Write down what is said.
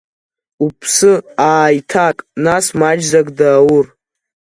Уԥсы ааиҭак, нас, маҷӡак, Даур!